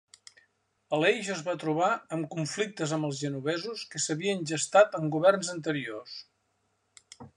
Aleix es va trobar amb conflictes amb els genovesos que s'havien gestat en governs anteriors.